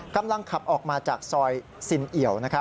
กำลังขับออกมาจากซอยสินเอี่ยว